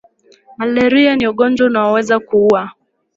Malaria ni ugonjwa unaoweza kuua